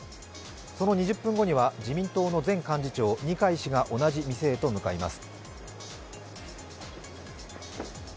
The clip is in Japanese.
その２０分後には自民党の前幹事長、二階氏が同じ店へと向かいます。